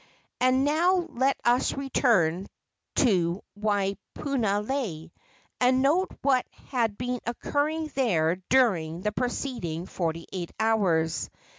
And now let us return to Waipunalei, and note what had been occurring there during the preceding forty eight hours.